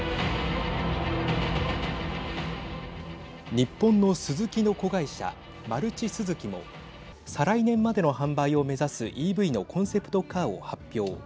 日本のスズキの子会社マルチスズキも再来年までの販売を目指すＥＶのコンセプトカーを発表。